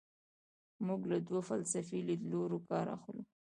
موږ له دوو فلسفي لیدلورو کار اخلو.